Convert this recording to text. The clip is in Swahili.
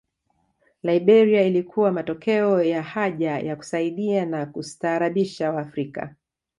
Liberia ilikuwa matokeo ya haja ya kusaidia na kustaarabisha Waafrika